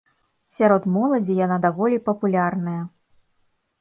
Сярод моладзі яна даволі папулярная.